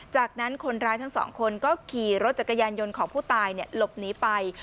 จากนั้นคนร้ายทั้งสองคนก็ขี่รถจักรยานยนต์ของผู้ตายหลบหนีไป